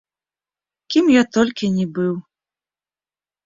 Кім я толькі не быў.